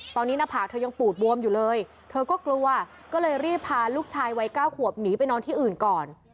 ตอนนี้หน้าผากเธอยังปูดบวมอยู่เลยเธอก็กลัวก็เลยรีบพาลูกชายวัย๙ขวบหนีไปนอนที่อื่นก่อน